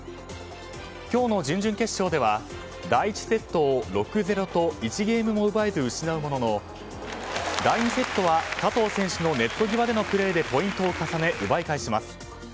今日の準々決勝では第１セットを６−０と１ゲームも奪えず失うものの第２セットは加藤選手とのネット際のプレーでポイントを重ね奪い返します。